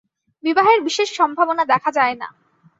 বিবাহের বিশেষ সম্ভাবনা দেখা যায় না।